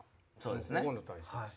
そうですね。